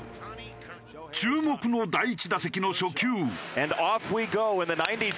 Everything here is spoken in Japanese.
注目の第１打席の初球。